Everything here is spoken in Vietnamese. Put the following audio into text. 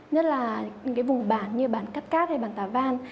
nhất là những cái vùng bản như bản cắt cát hay bản tà văn